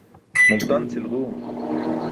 Multan cʰilġuum.